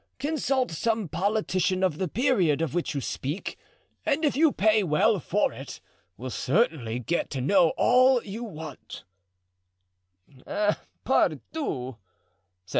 Consult some politician of the period of which you speak, and if you pay well for it you will certainly get to know all you want."